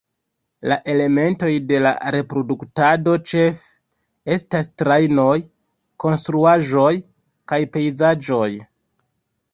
La elementoj de la reproduktado ĉefe estas trajnoj, konstruaĵoj kaj pejzaĝoj.